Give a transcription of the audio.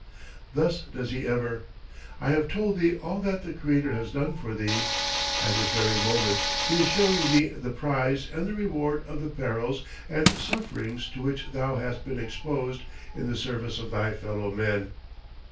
Thus does He ever. I have told thee all that the Creator has done for thee; at this very moment He is showing thee the prize and the reward of the perils and sufferings to which thou hast been exposed in the service of thy fellow men.'